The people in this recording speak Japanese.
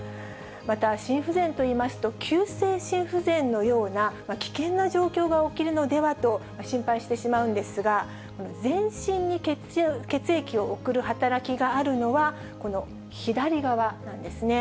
また、心不全といいますと、急性心不全のような、危険な状況が起きるのではと心配してしまうんですが、全身に血液を送る働きがあるのは、この左側なんですね。